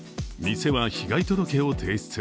店は被害届を提出。